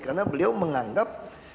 karena beliau menganggap